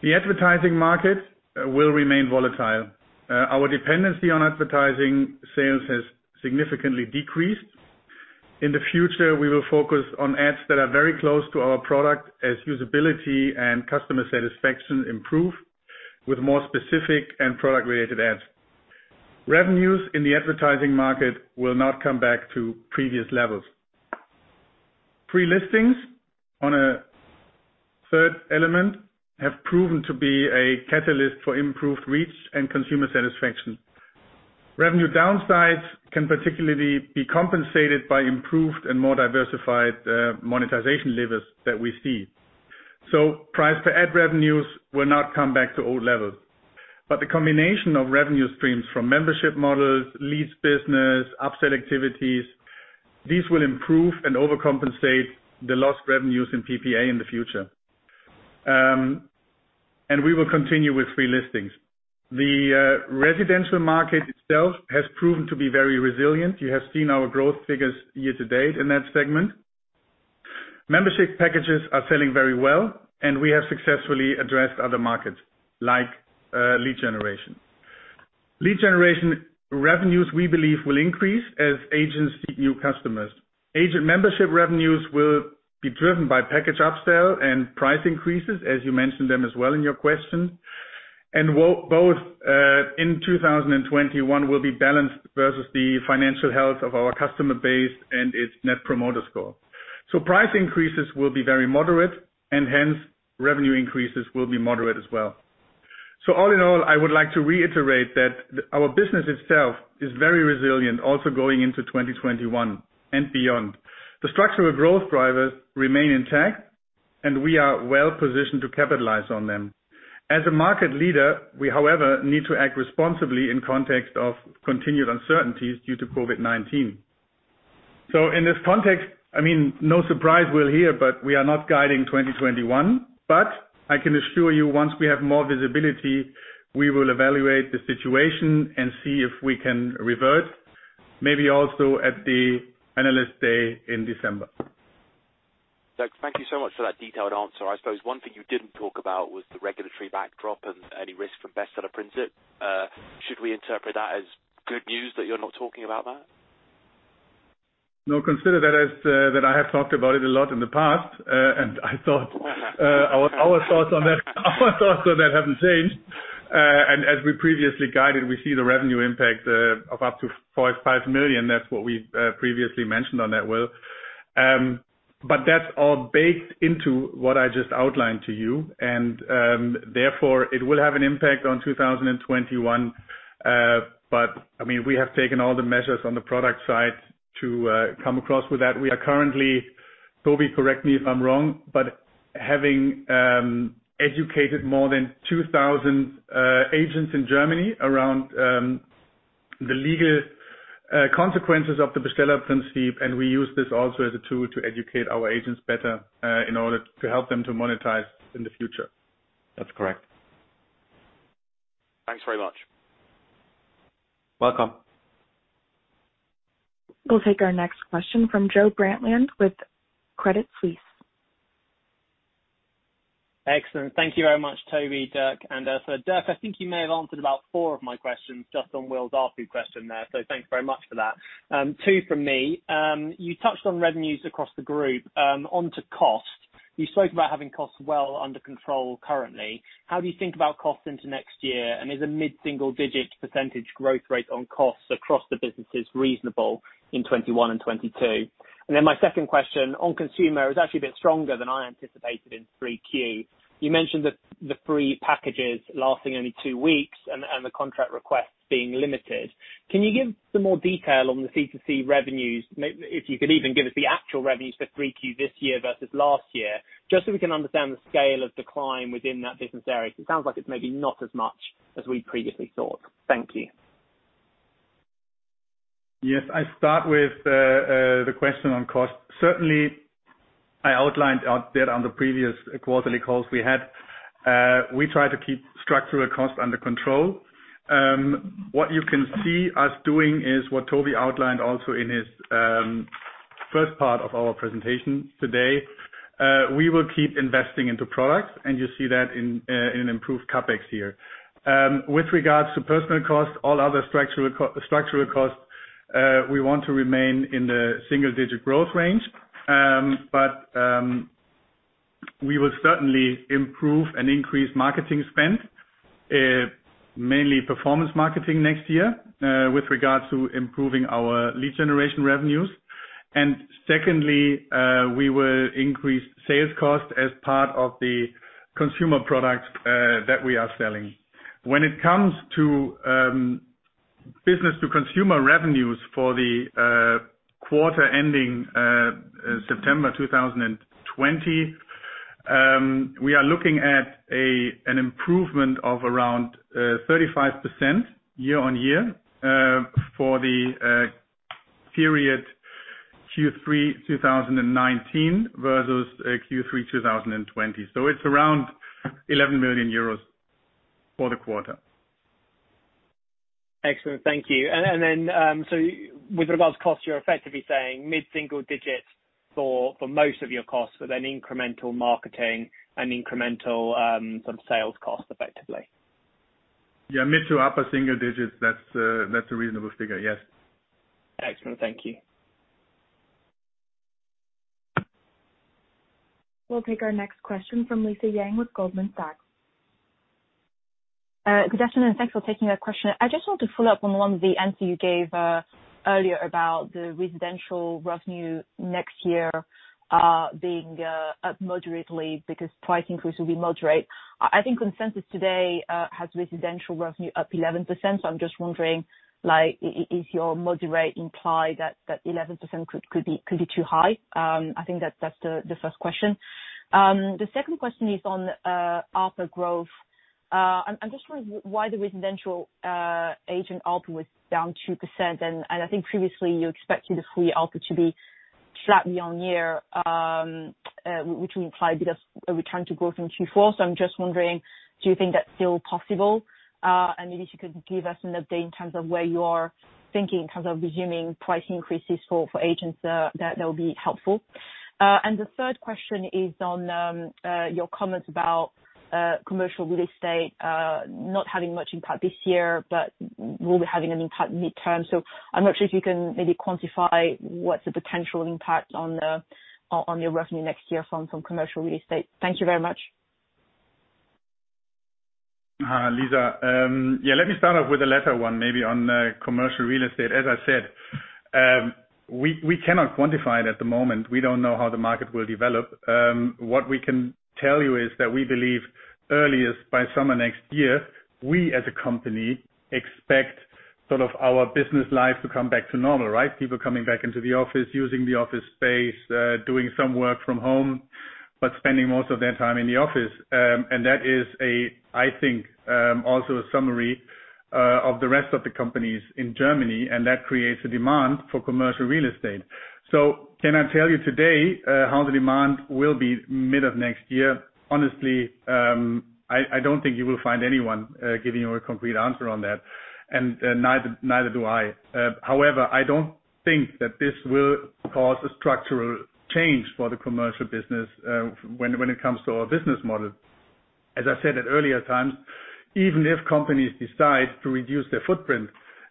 The advertising market will remain volatile. Our dependency on advertising sales has significantly decreased. In the future, we will focus on ads that are very close to our product as usability and customer satisfaction improve with more specific and product-related ads. Revenues in the advertising market will not come back to previous levels. Pre-listings on a third element have proven to be a catalyst for improved reach and consumer satisfaction. Revenue downsides can particularly be compensated by improved and more diversified monetization levers that we see, so price per ad revenues will not come back to old levels, but the combination of revenue streams from membership models, leads business, upsell activities, these will improve and overcompensate the lost revenues in PPA in the future, and we will continue with pre-listings. The residential market itself has proven to be very resilient. You have seen our growth figures year to date in that segment. Membership packages are selling very well, and we have successfully addressed other markets like lead generation. Lead generation revenues, we believe, will increase as agents seek new customers. Agent membership revenues will be driven by package upsell and price increases, as you mentioned them as well in your question. And both in 2021 will be balanced versus the financial health of our customer base and its Net Promoter Score. So price increases will be very moderate, and hence revenue increases will be moderate as well. So all in all, I would like to reiterate that our business itself is very resilient also going into 2021 and beyond. The structural growth drivers remain intact, and we are well positioned to capitalize on them. As a market leader, we, however, need to act responsibly in context of continued uncertainties due to COVID-19. So in this context, I mean, no surprise we're here, but we are not guiding 2021. But I can assure you, once we have more visibility, we will evaluate the situation and see if we can revert, maybe also at the Analyst Day in December. Thank you so much for that detailed answer. I suppose one thing you didn't talk about was the regulatory backdrop and any risk from Bestellerprinzip. Should we interpret that as good news that you're not talking about that? No, consider that as that I have talked about it a lot in the past, and I thought our thoughts on that have changed. And as we previously guided, we see the revenue impact of up to 5 million. That's what we previously mentioned on that, Will. But that's all baked into what I just outlined to you. And therefore, it will have an impact on 2021. But I mean, we have taken all the measures on the product side to come across with that. We are currently, Tobi, correct me if I'm wrong, but having educated more than 2,000 agents in Germany around the legal consequences of the Bestellerprinzip, and we use this also as a tool to educate our agents better in order to help them to monetize in the future. That's correct. Thanks very much. Welcome. We'll take our next question from Joe Brantland with Credit Suisse. Excellent. Thank you very much, Tobi, Dirk, and Ursula. Dirk, I think you may have answered about four of my questions just on Will's two questions there. So thanks very much for that. Two from me. You touched on revenues across the group. Onto cost. You spoke about having costs well under control currently. How do you think about costs into next year? And is a mid-single digit percentage growth rate on costs across the businesses reasonable in 2021 and 2022? And then my second question on consumer is actually a bit stronger than I anticipated in 3Q. You mentioned that the free packages lasting only two weeks and the contract requests being limited. Can you give some more detail on the C2C revenues, if you could even give us the actual revenues for 3Q this year versus last year, just so we can understand the scale of decline within that business area? It sounds like it's maybe not as much as we previously thought. Thank you. Yes, I start with the question on cost. Certainly, I outlined out there on the previous quarterly calls we had. We try to keep structural costs under control. What you can see us doing is what Tobi outlined also in his first part of our presentation today. We will keep investing into products, and you see that in an improved CapEx here. With regards to personnel costs, all other structural costs, we want to remain in the single-digit growth range, but we will certainly improve and increase marketing spend, mainly performance marketing next year, with regards to improving our lead generation revenues, and secondly, we will increase sales cost as part of the consumer products that we are selling. When it comes to business-to-consumer revenues for the quarter ending September 2020, we are looking at an improvement of around 35% year on year for the period Q3 2019 versus Q3 2020. So it's around 11 million euros for the quarter. Excellent. Thank you, and then so with regards to cost, you're effectively saying mid-single-digit for most of your costs, but then incremental marketing and incremental sort of sales cost effectively. Yeah, mid- to upper-single-digits, that's a reasonable figure. Yes. Excellent. Thank you. We'll take our next question from Lisa Yang with Goldman Sachs Good afternoon. Thanks for taking that question. I just want to follow up on one of the answers you gave earlier about the residential revenue next year being up moderately because price increases will be moderate. I think consensus today has residential revenue up 11%. So I'm just wondering, does your moderate imply that 11% could be too high? I think that's the first question. The second question is on ARPU growth. I'm just wondering why the residential agent ARPU was down 2%. And I think previously you expected the free ARPU to be flat year on year, which would imply a return to growth in Q4. So I'm just wondering, do you think that's still possible? Maybe if you could give us an update in terms of where you are thinking in terms of resuming price increases for agents, that would be helpful. The third question is on your comments about commercial real estate not having much impact this year, but will be having an impact medium term. I'm not sure if you can maybe quantify what's the potential impact on your revenue next year from commercial real estate. Thank you very much. Lisa, yeah, let me start off with the latter one maybe on commercial real estate. As I said, we cannot quantify it at the moment. We don't know how the market will develop. What we can tell you is that we believe earliest by summer next year, we as a company expect sort of our business life to come back to normal, right? People coming back into the office, using the office space, doing some work from home, but spending most of their time in the office, and that is a, I think, also a summary of the rest of the companies in Germany, and that creates a demand for commercial real estate, so can I tell you today how the demand will be mid of next year? Honestly, I don't think you will find anyone giving you a concrete answer on that, and neither do I. However, I don't think that this will cause a structural change for the commercial business when it comes to our business model. As I said at earlier times, even if companies decide to reduce their footprint,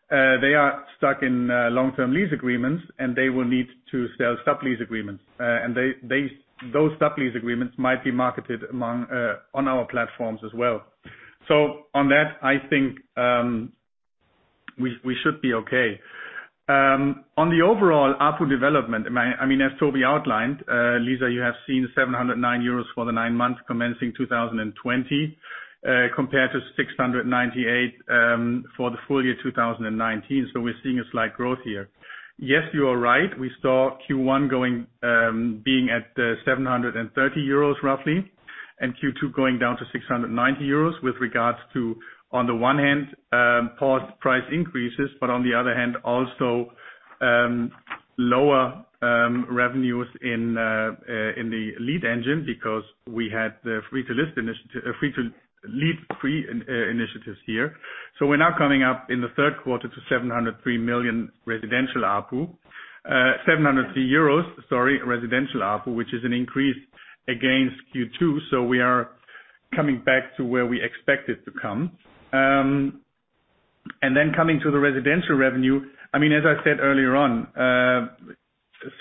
they are stuck in long-term lease agreements, and they will need to sell sub-lease agreements, and those sub-lease agreements might be marketed on our platforms as well. So on that, I think we should be okay. On the overall output development, I mean, as Tobi outlined, Lisa, you have seen 709 euros for the nine months commencing 2020 compared to 698 for the full year 2019. So we're seeing a slight growth here. Yes, you are right. We saw Q1 going being at 730 euros roughly, and Q2 going down to 690 euros with regards to, on the one hand, paused price increases, but on the other hand, also lower revenues in the lead engine because we had the free-to-list initiatives here. So we're now coming up in the third quarter to 703 million residential output, 703 euros, sorry, residential output, which is an increase against Q2. So we are coming back to where we expected to come. Then coming to the residential revenue, I mean, as I said earlier on,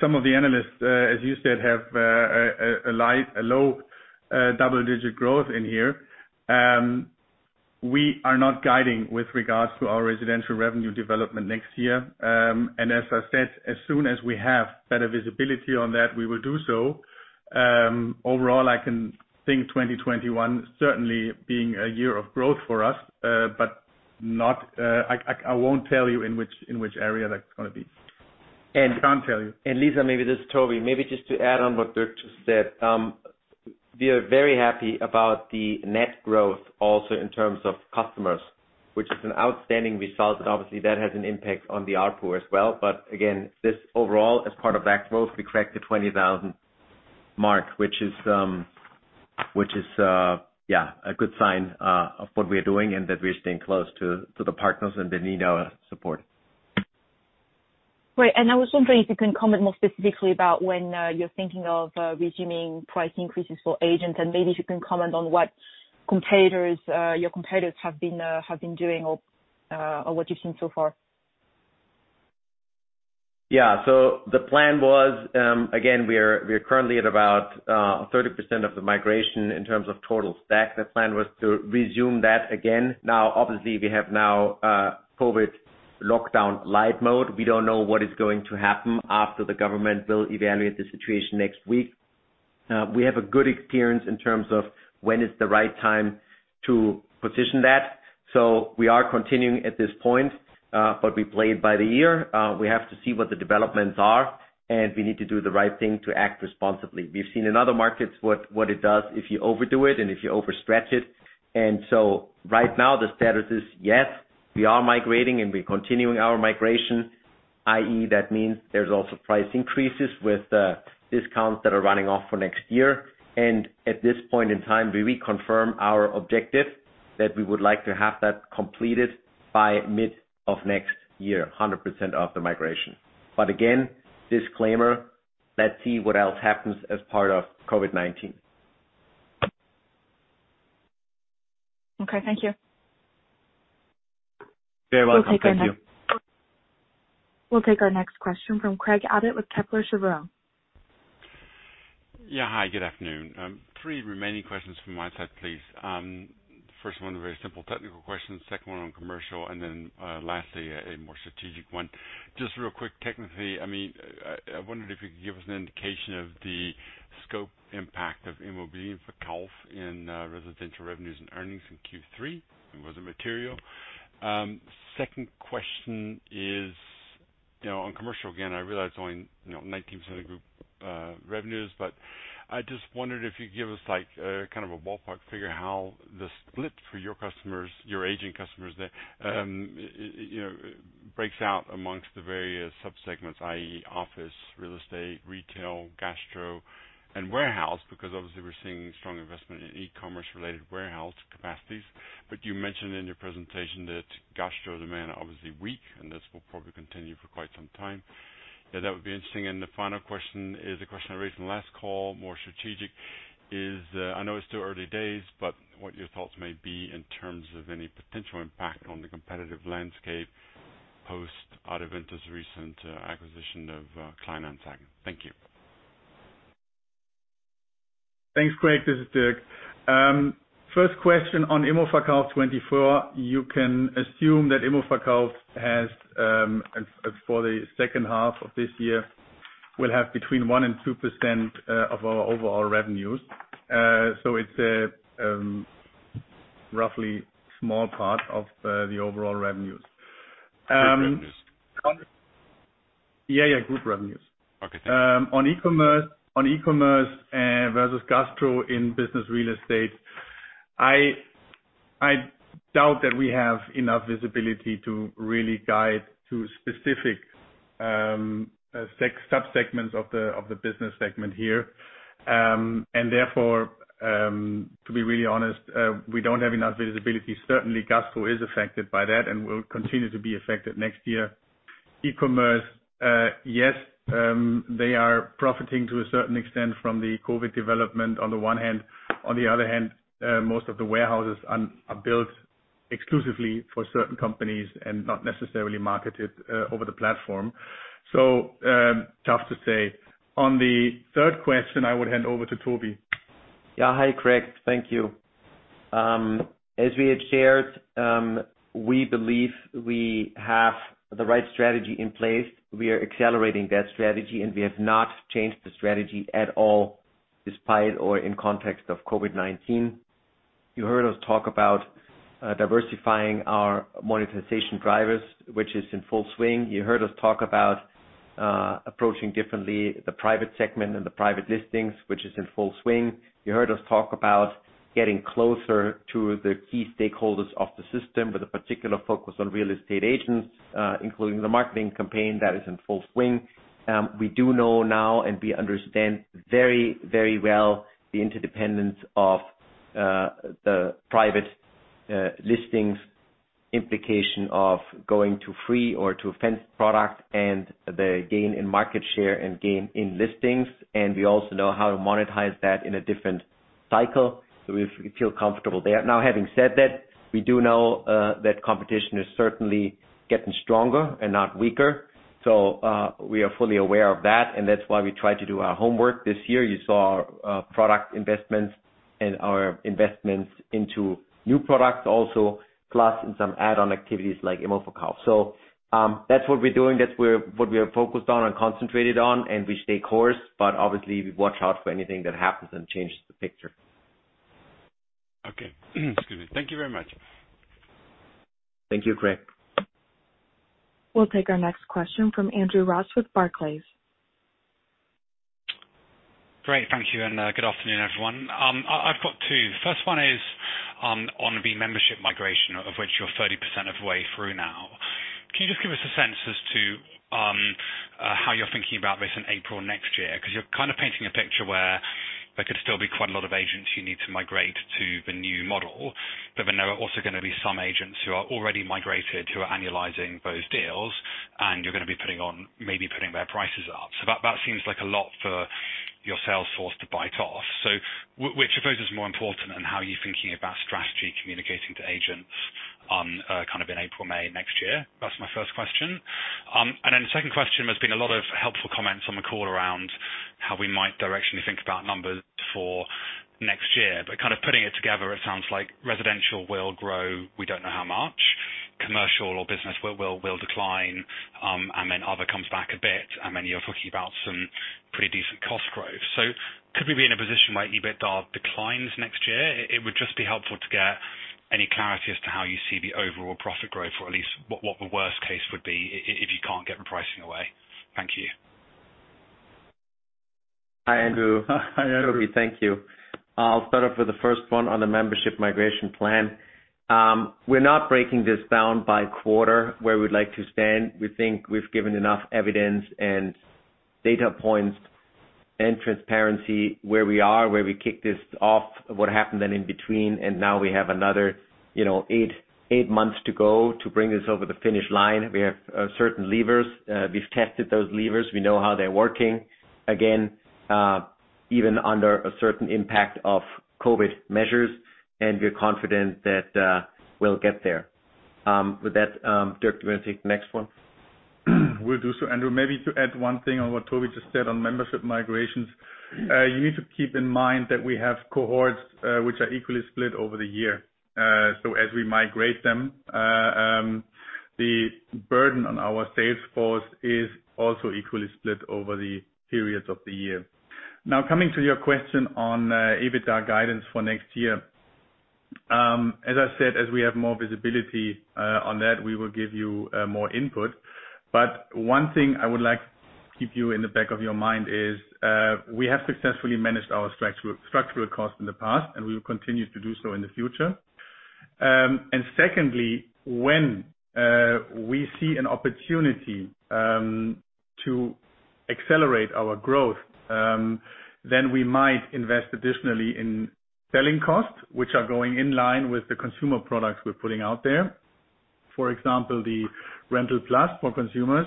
some of the analysts, as you said, have a low double-digit growth in here. We are not guiding with regards to our residential revenue development next year. And as I said, as soon as we have better visibility on that, we will do so. Overall, I can think 2021 certainly being a year of growth for us, but I won't tell you in which area that's going to be. And I can't tell you. Lisa, maybe this is Tobi. Maybe just to add on what Dirk just said, we are very happy about the net growth also in terms of customers, which is an outstanding result. Obviously, that has an impact on the output as well. But again, this overall, as part of that growth, we cracked the 20,000 mark, which is, yeah, a good sign of what we are doing and that we're staying close to the partners and they need our support. Right. And I was wondering if you can comment more specifically about when you're thinking of resuming price increases for agents, and maybe if you can comment on what your competitors have been doing or what you've seen so far. Yeah. So the plan was, again, we are currently at about 30% of the migration in terms of total stack. The plan was to resume that again. Now, obviously, we have now COVID Lockdown Light mode. We don't know what is going to happen after the government will evaluate the situation next week. We have a good experience in terms of when is the right time to position that. So we are continuing at this point, but we play it by the year. We have to see what the developments are, and we need to do the right thing to act responsibly. We've seen in other markets what it does if you overdo it and if you overstretch it. And so right now, the status is yes, we are migrating and we're continuing our migration, i.e., that means there's also price increases with the discounts that are running off for next year. And at this point in time, we reconfirm our objective that we would like to have that completed by mid of next year, 100% of the migration. But again, disclaimer, let's see what else happens as part of COVID-19. Okay. Thank you. Very welcome. Thank you. We'll take our next question from Craig Abbott with Kepler Cheuvreux. Yeah. Hi. Good afternoon. Three remaining questions from my side, please. First one, a very simple technical question, second one on commercial, and then lastly, a more strategic one. Just real quick, technically, I mean, I wondered if you could give us an indication of the scope impact of ImmoVerkauf24 in residential revenues and earnings in Q3. Was it material? Second question is on commercial, again, I realize only 19% of group revenues, but I just wondered if you could give us kind of a ballpark figure how the split for your customers, your agent customers, breaks out amongst the various subsegments, i.e., office, real estate, retail, gastro, and warehouse, because obviously we're seeing strong investment in e-commerce-related warehouse capacities. But you mentioned in your presentation that gastro demand is obviously weak, and this will probably continue for quite some time. Yeah, that would be interesting. The final question is a question I raised in the last call, more strategic. I know it's still early days, but what your thoughts may be in terms of any potential impact on the competitive landscape post Adevinta's recent acquisition of eBay Kleinanzeigen. Thank you. Thanks, Craig. This is Dirk. First question on ImmoVerkauf24. You can assume that ImmoVerkauf24 has as for the second half of this year, will have between 1% and 2% of our overall revenues. So it's a roughly small part of the overall revenues. Group revenues. Yeah, yeah, group revenues. Okay. On e-commerce versus gastro in business real estate, I doubt that we have enough visibility to really guide to specific subsegments of the business segment here. And therefore, to be really honest, we don't have enough visibility. Certainly, gastro is affected by that and will continue to be affected next year. E-commerce, yes, they are profiting to a certain extent from the COVID development on the one hand. On the other hand, most of the warehouses are built exclusively for certain companies and not necessarily marketed over the platform. So tough to say. On the third question, I would hand over to Tobi. Yeah. Hi, Craig. Thank you. As we had shared, we believe we have the right strategy in place. We are accelerating that strategy, and we have not changed the strategy at all despite or in context of COVID-19. You heard us talk about diversifying our monetization drivers, which is in full swing. You heard us talk about approaching differently the private segment and the private listings, which is in full swing. You heard us talk about getting closer to the key stakeholders of the system with a particular focus on real estate agents, including the marketing campaign that is in full swing. We do know now, and we understand very, very well the interdependence of the private listings, implications of going to free-to-list product, and the gain in market share and gain in listings. And we also know how to monetize that in a different cycle. So we feel comfortable there. Now, having said that, we do know that competition is certainly getting stronger and not weaker. So we are fully aware of that, and that's why we tried to do our homework this year. You saw our product investments and our investments into new products also, plus in some add-on activities like ImmoVerkauf24. So that's what we're doing. That's what we are focused on and concentrated on, and we stay the course, but obviously, we watch out for anything that happens and changes the picture. Okay. Thank you very much. Thank you, Craig. We'll take our next question from Andrew Ross with Barclays. Great. Thank you. And good afternoon, everyone. I've got two. The first one is on the membership migration, of which you're 30% of the way through now. Can you just give us a sense as to how you're thinking about this in April next year? Because you're kind of painting a picture where there could still be quite a lot of agents you need to migrate to the new model, but then there are also going to be some agents who are already migrated who are annualizing those deals, and you're going to be maybe putting their prices up. So that seems like a lot for your sales force to bite off. So which of those is more important and how are you thinking about strategy communicating to agents kind of in April, May next year? That's my first question. And then the second question, there's been a lot of helpful comments on the call around how we might directionally think about numbers for next year. But kind of putting it together, it sounds like residential will grow, we don't know how much, commercial or business will decline, and then other comes back a bit, and then you're talking about some pretty decent cost growth. So could we be in a position where EBITDA declines next year? It would just be helpful to get any clarity as to how you see the overall profit growth, or at least what the worst case would be if you can't get the pricing away. Thank you. Hi, Andrew. Thank you. I'll start off with the first one on the membership migration plan. We're not breaking this down by quarter where we'd like to stand. We think we've given enough evidence and data points and transparency where we are, where we kicked this off, what happened then in between, and now we have another eight months to go to bring this over the finish line. We have certain levers. We've tested those levers. We know how they're working. Again, even under a certain impact of COVID measures, and we're confident that we'll get there. With that, Dirk, do you want to take the next one? Will do so. Andrew, maybe to add one thing on what Tobi just said on membership migrations, you need to keep in mind that we have cohorts which are equally split over the year. So as we migrate them, the burden on our sales force is also equally split over the periods of the year. Now, coming to your question on EBITDA guidance for next year, as I said, as we have more visibility on that, we will give you more input. But one thing I would like to keep you in the back of your mind is we have successfully managed our structural costs in the past, and we will continue to do so in the future. And secondly, when we see an opportunity to accelerate our growth, then we might invest additionally in selling costs, which are going in line with the consumer products we're putting out there, for example, the rental plus for consumers,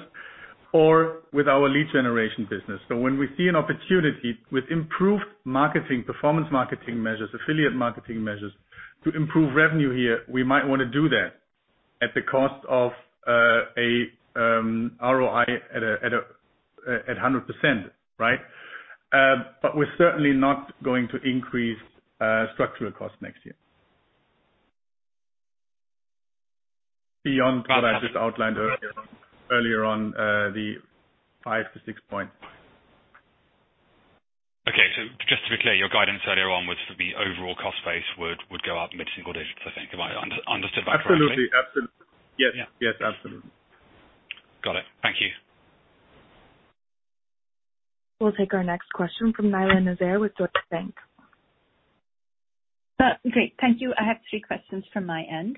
or with our lead generation business. So when we see an opportunity with improved marketing, performance marketing measures, affiliate marketing measures to improve revenue here, we might want to do that at the cost of an ROI at 100%, right? But we're certainly not going to increase structural costs next year beyond what I just outlined earlier on the five to six points. Okay. So just to be clear, your guidance earlier on was for the overall cost base would go up mid-single digits, I think. Am I understood that correctly? Absolutely. Absolutely. Yes. Yes. Absolutely. Got it. Thank you. We'll take our next question from Nyla Nazir with Deutsche Bank. Great. Thank you. I have three questions from my end.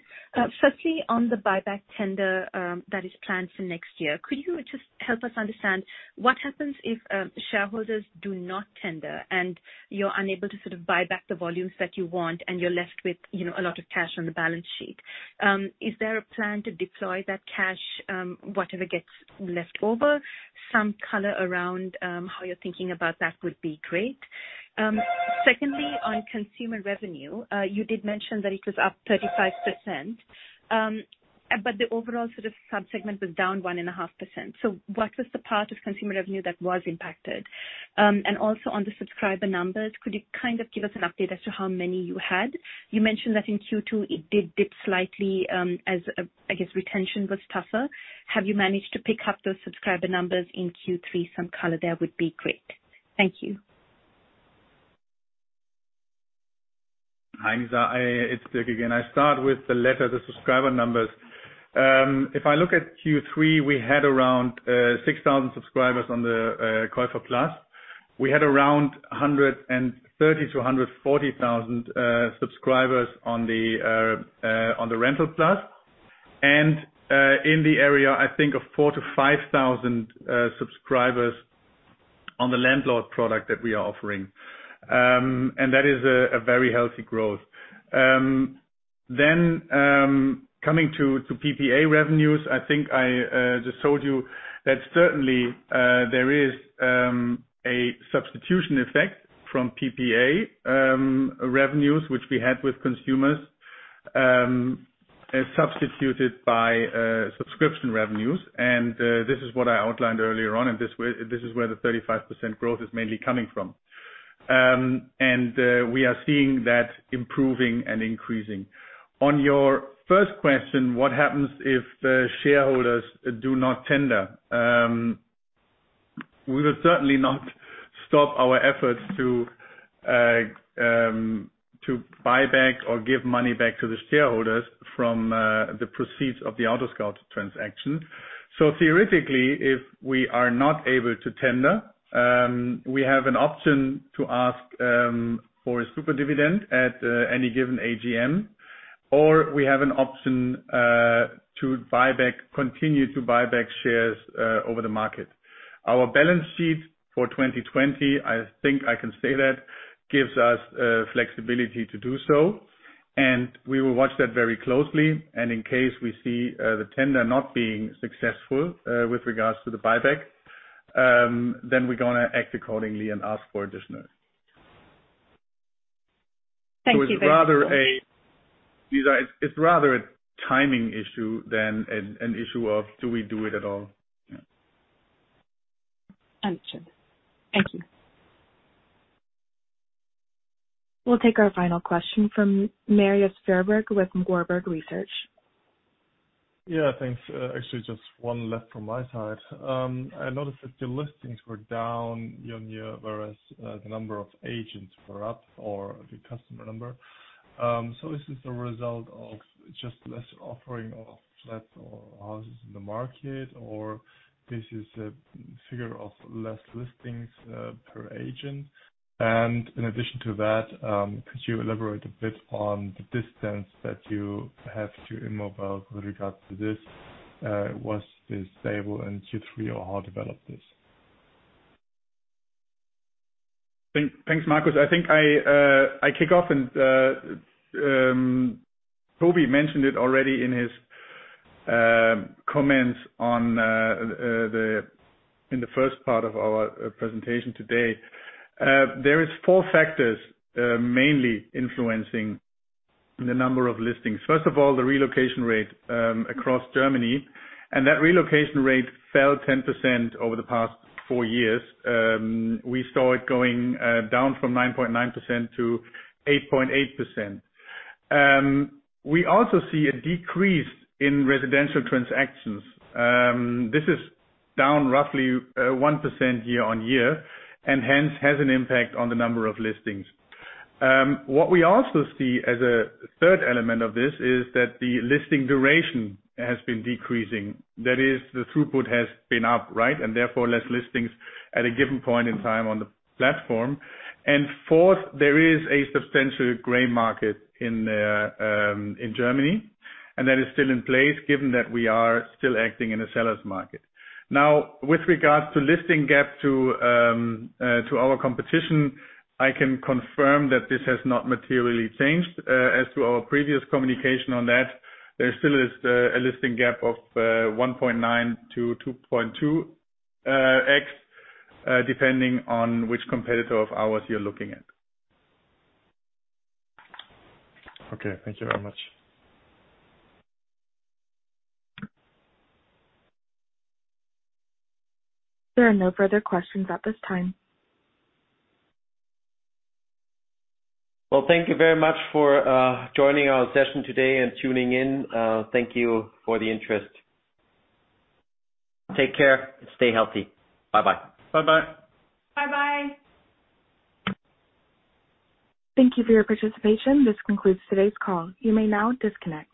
Firstly, on the buyback tender that is planned for next year, could you just help us understand what happens if shareholders do not tender and you're unable to sort of buy back the volumes that you want, and you're left with a lot of cash on the balance sheet? Is there a plan to deploy that cash, whatever gets left over? Some color around how you're thinking about that would be great. Secondly, on consumer revenue, you did mention that it was up 35%, but the overall sort of subsegment was down 1.5%. So what was the part of consumer revenue that was impacted? And also on the subscriber numbers, could you kind of give us an update as to how many you had? You mentioned that in Q2, it did dip slightly as, I guess, retention was tougher. Have you managed to pick up those subscriber numbers in Q3? Some color there would be great. Thank you. Hi, Nyla. It's Dirk again. I start with the latter, the subscriber numbers. If I look at Q3, we had around 6,000 subscribers on the KäuferPlus. We had around 130,000 to 140,000 subscribers on the MieterPlus, and in the area, I think, of 4,000 to 5,000 subscribers on the landlord product that we are offering. And that is a very healthy growth. Then coming to PPA revenues, I think I just told you that certainly there is a substitution effect from PPA revenues, which we had with consumers, substituted by subscription revenues. And this is what I outlined earlier on, and this is where the 35% growth is mainly coming from. And we are seeing that improving and increasing. On your first question, what happens if shareholders do not tender? We will certainly not stop our efforts to buy back or give money back to the shareholders from the proceeds of the AutoScout24 transaction. So theoretically, if we are not able to tender, we have an option to ask for a super dividend at any given AGM, or we have an option to continue to buy back shares over the market. Our balance sheet for 2020, I think I can say that, gives us flexibility to do so. And we will watch that very closely. And in case we see the tender not being successful with regards to the buyback, then we're going to act accordingly and ask for additional. Thank you. But it's rather a timing issue than an issue of do we do it at all. Understood. Thank you. We'll take our final question from Marius Fuhrberg with Warburg Research. Yeah. Thanks. Actually, just one left from my side. I noticed that the listings were down year on year, whereas the number of agents were up or the customer number. So is this a result of just less offering of flats or houses in the market, or this is a figure of less listings per agent? And in addition to that, could you elaborate a bit on the distance that you have to Immowelt with regards to this? Was this stable in Q3, or how developed this? Thanks, Marius. I think I kick off, and Toby mentioned it already in his comments in the first part of our presentation today. There are four factors mainly influencing the number of listings. First of all, the relocation rate across Germany, and that relocation rate fell 10% over the past four years. We saw it going down from 9.9% to 8.8%. We also see a decrease in residential transactions. This is down roughly 1% year on year, and hence has an impact on the number of listings. What we also see as a third element of this is that the listing duration has been decreasing. That is, the throughput has been up, right, and therefore less listings at a given point in time on the platform. And fourth, there is a substantial gray market in Germany, and that is still in place given that we are still acting in a seller's market. Now, with regards to listing gap to our competition, I can confirm that this has not materially changed. As to our previous communication on that, there still is a listing gap of 1.9-2.2X, depending on which competitor of ours you're looking at. Okay. Thank you very much. There are no further questions at this time. Well, thank you very much for joining our session today and tuning in. Thank you for the interest. Take care and stay healthy. Bye-bye. Bye-bye. Bye-bye. Thank you for your participation. This concludes today's call. You may now disconnect.